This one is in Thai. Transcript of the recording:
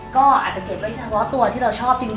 ก็อาจจะเก็บไว้เฉพาะตัวที่เราชอบจริง